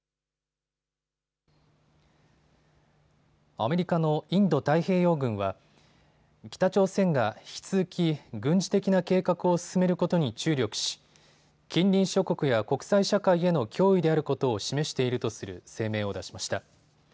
アメリカのインド太平洋軍は北朝鮮が引き続き軍事的な計画を進めることに注力し近隣諸国や国際社会への脅威であることを示しているとする声明を出しました。